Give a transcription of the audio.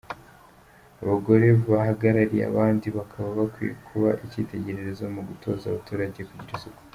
Abagore bahagarariye abandi, bakaba bakwiye kuba icyitegererezo mu gutoza abaturage kugira isuku.